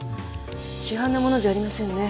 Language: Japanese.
市販の物じゃありませんね。